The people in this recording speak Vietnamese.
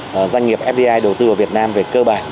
doanh nghiệp fdi đầu tư ở việt nam về cơ bản